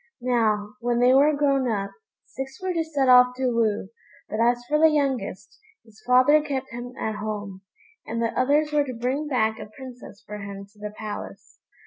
Now, when they were grown up, six were to set off to woo, but as for the youngest, his father kept him at home, and the others were to bring back a princess for him to the palace.